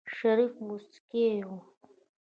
شريف موسکی و.